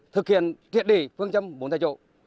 thực hiện triệt đề phương châm bốn tại chỗ